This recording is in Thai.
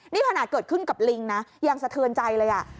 นี่ขนาดเกิดขึ้นกับลิงนะยังสะเทือนใจเลย